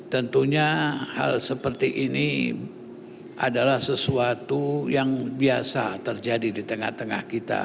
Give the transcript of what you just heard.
tentunya hal seperti ini adalah sesuatu yang biasa terjadi di tengah tengah kita